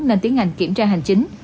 nên tiến hành kiểm tra hành chính